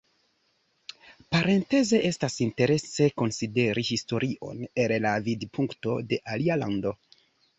Parenteze, estas interese konsideri historion el la vidpunkto de alia lando.